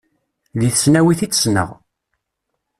Deg tesnawit i tt-ssneɣ.